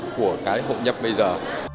của cái hộ nhập bây giờ